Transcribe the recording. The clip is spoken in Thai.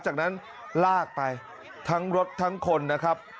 จากนั้นลากไปทั้งรถทั้งคนนะครับ